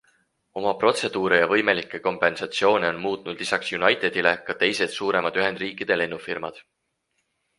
Oma protseduure ja võimalikke kompensatsioone on muutnud lisaks Unitedile ka teised suuremad Ühendriikide lennufirmad.